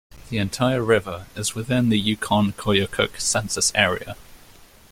The entire river is within the Yukon-Koyukuk Census Area.